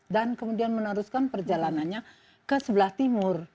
dan kemudian meneruskan perjalanannya ke sebelah timur